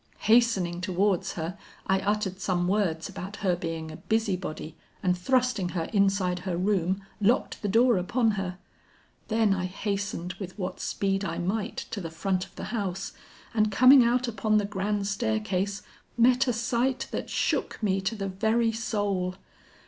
Hastening towards her, I uttered some words about her being a busy body, and thrusting her inside her room, locked the door upon her. Then I hastened with what speed I might to the front of the house, and coming out upon the grand staircase, met a sight that shook me to the very soul.